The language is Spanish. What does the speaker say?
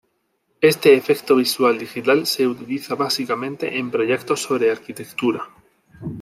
Este efecto visual digital se utiliza básicamente en proyectos sobre arquitectura.